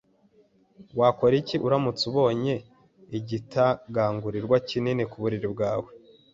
Wakora iki uramutse ubonye igitagangurirwa kinini ku buriri bwawe?